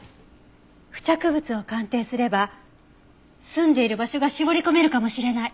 付着物を鑑定すれば住んでいる場所が絞り込めるかもしれない。